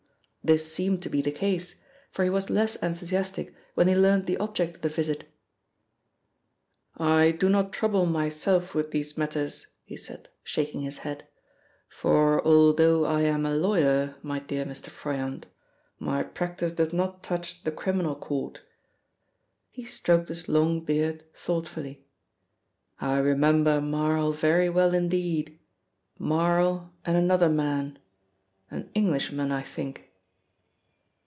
This seemed to be the case, for he was less enthusiastic when he learnt the object of the visit. "I do not trouble myself with these matters," he said, shaking his head, "for although I am a lawyer, my dear Mr. Froyant, my practice does not touch the criminal court." He stroked his long beard thoughtfully. "I remember Marl very well indeed Marl and another man, an Englishman, I think."